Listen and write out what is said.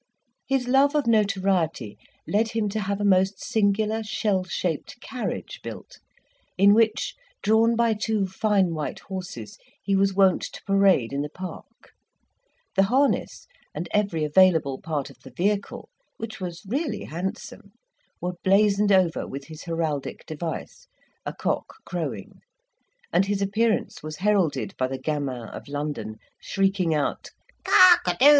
His love of notoriety led him to have a most singular shell shaped carriage built, in which, drawn by two fine white horses, he was wont to parade in the park; the harness, and every available part of the vehicle (which was really handsome) were blazoned over with his heraldic device a cock crowing, and his appearance was heralded by the gamins of London shrieking out "cock a doodle doo."